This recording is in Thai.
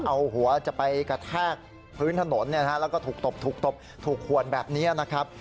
เอาหัวจะไปกระแทกพื้นถนนเนี่ยฮะแล้วก็ถุกตบถุกหวนแบบเนี้ยนะครับ